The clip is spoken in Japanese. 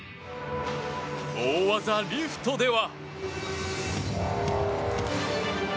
大技、リフトでは。